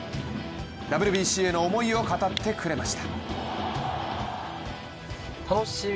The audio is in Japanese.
ＷＢＣへの思いを語ってくれました。